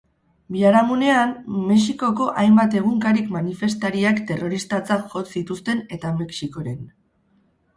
Biharamunean, Mexikoko hainbat egunkarik manifestariak terroristatzat jo zituzten eta Mexikoren.